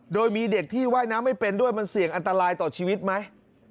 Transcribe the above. โดยมีเด็กที่ว่ายน้ำไม่เป็นด้วยมันเสี่ยงอันตรายต่อชีวิตไหม